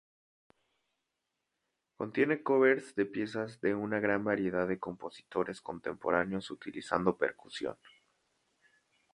Contiene covers de piezas de una gran variedad de compositores contemporáneos utilizando percusión.